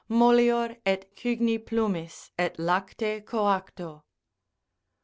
Mollior et cygni plumis, et lacte coacto.